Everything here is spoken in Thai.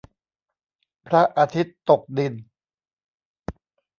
พระอาทิตย์ตกดิน